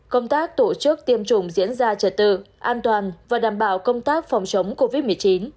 công tác tổ chức tiêm chủng diễn ra trật tự an toàn và đảm bảo công tác phòng chống covid một mươi chín